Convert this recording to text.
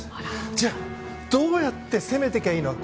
じゃあ、どうやって攻めていけばいいのか。